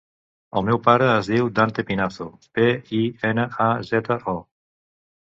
El meu pare es diu Dante Pinazo: pe, i, ena, a, zeta, o.